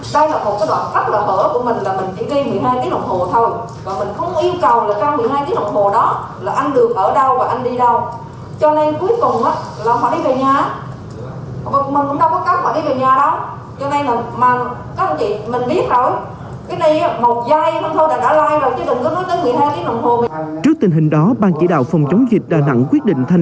đây là một cái đoạn cắt lỏng hở của mình là mình chỉ đi một mươi hai tiếng đồng hồ thôi